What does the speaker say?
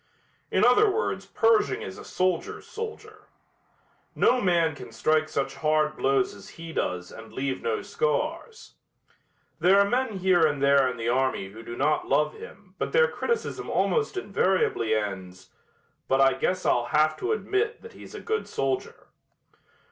In other words Pershing is a soldiers' soldier. No man can strike such hard blows as he does and leave no scars. There are men here and there in the army who do not love him but their criticism almost invariably ends, "but I guess I'll have to admit that he's a good soldier."